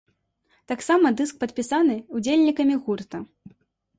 Таксама дыск падпісаны ўдзельнікамі гурта.